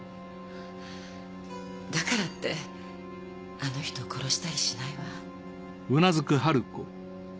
だからってあの人を殺したりしないわ。